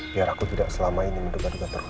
biar aku tidak selama ini menduga duga